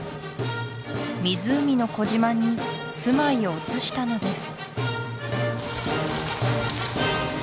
湖の小島に住まいを移したのです